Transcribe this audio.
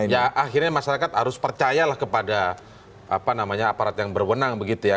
ya akhirnya masyarakat harus percayalah kepada apa namanya aparat yang berwenang begitu ya